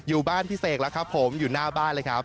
อยู่บ้านพี่เสกแล้วครับผมอยู่หน้าบ้านเลยครับ